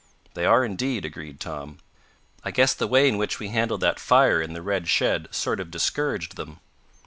"They are, indeed," agreed Tom. "I guess the way in which we handled that fire in the red shed sort of discouraged them."